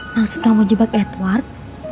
maksud kamu jebak edward